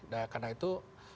nah karena itu